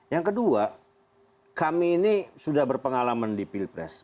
yang kedua kami ini sudah berpengalaman di pilpres